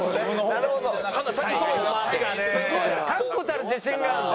確固たる自信があるんだ？